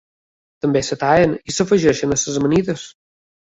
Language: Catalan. També es tallen i s'afegeixen a les amanides.